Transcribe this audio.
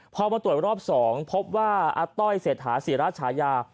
พอมาตรวจรอบ๒พบว่าอาต้อยเศรษฐาศิราชายา